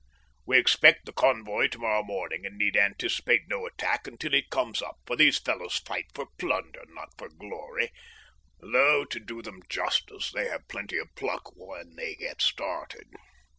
We expect the convoy tomorrow morning, and need anticipate no attack until it comes up, for these fellows fight for plunder, not for glory, though, to do them justice, they have plenty of pluck when they get started.